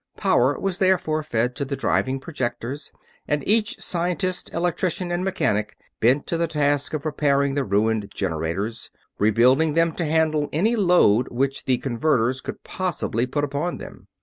Power was therefore fed to the driving projectors, and each scientist, electrician, and mechanic bent to the task of repairing the ruined generators; rebuilding them to handle any load which the converters could possibly put upon them.